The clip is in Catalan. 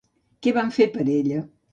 Què van fer per ella?